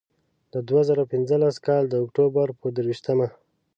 د دوه زره پینځلس کال د اکتوبر پر درویشتمه.